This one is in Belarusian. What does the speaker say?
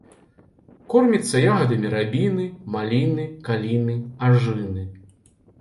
Корміцца ягадамі рабіны, маліны, каліны, ажыны.